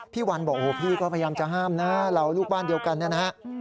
พี่วันบอกพี่ก็พยายามจะห้ามนะเราลูกบ้านเดียวกันนะ